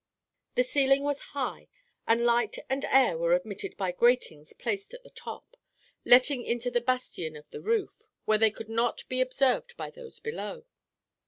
The ceiling was high, and light and air were admitted by gratings placed at the top, letting onto the bastion of the roof, where they could not be observed by those below.